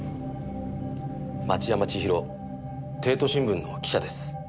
町山千尋帝都新聞の記者です。